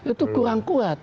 itu kurang kuat